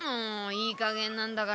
いいかげんなんだから。